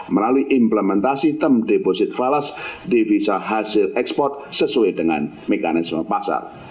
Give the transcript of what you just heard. melalui implementasi term deposit falas devisa hasil ekspor sesuai dengan mekanisme pasar